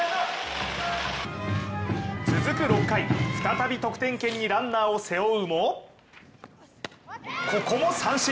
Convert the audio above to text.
続く６回、再び得点圏にランナーを背負うも、ここも三振。